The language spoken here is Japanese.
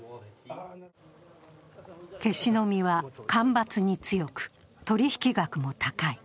ケシの実は干ばつに強く、取引額も高い。